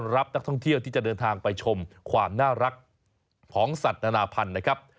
รับนักท่องเที่ยวที่จะเดินทางไปชมความน่ารักของสัตว์นานาพันธุ์นะครับ